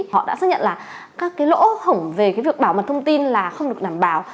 họ đã xác nhận là các cái lỗ hổng về cái việc bảo mật thông tin là không được đảm bảo